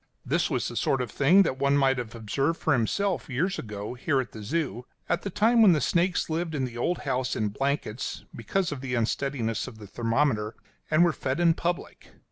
This was the sort of thing that one might have observed for himself years ago, here at the Zoo; at the time when the snakes lived in the old house in blankets, because of the unsteadiness of the thermometer, and were fed in public.